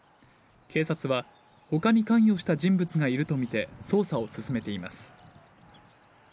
警察はほかに関与した人物がいると見て捜査を進めています。